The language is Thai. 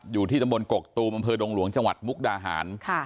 อยู่ที่ตำบลกกตูบดงหลวงจมุกดาหาร